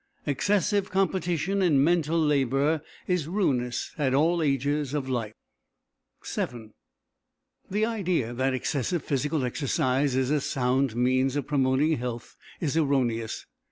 Excessive competition in mental labour is ruinous at all ages of life. VII The idea that excessive physical exercise is a sound means of promoting health is erroneous.